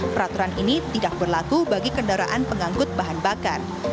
peraturan ini tidak berlaku bagi kendaraan pengangkut bahan bakar